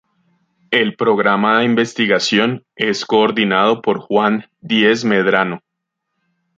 El programa de investigación es coordinado por Juan Díez Medrano.